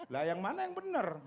lah yang mana yang benar